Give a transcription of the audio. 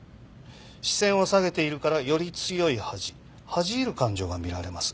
視線を下げているからより強い恥恥じ入る感情が見られます。